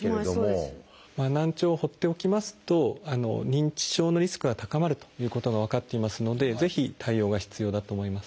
難聴を放っておきますと認知症のリスクが高まるということが分かっていますのでぜひ対応が必要だと思います。